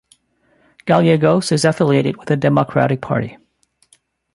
Gallegos is affiliated with the Democratic Party.